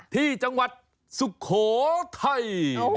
ที่จังหวัดสุโขทัย